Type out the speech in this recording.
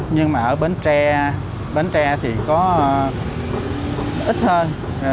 nhưng mà ở bến tre thì có ít hơn